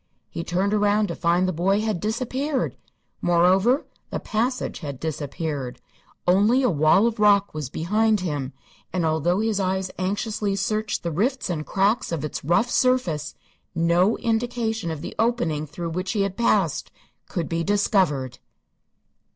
He turned around to find the boy had disappeared. Moreover, the passage had disappeared. Only a wall of rock was behind him, and although his eyes anxiously searched the rifts and cracks of its rough surface, no indication of the opening through which he had passed could be discovered.